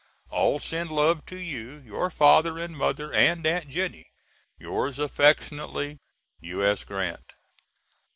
All send love to you, your father and mother and Aunt Jennie. Yours affectionately, U.S. GRANT.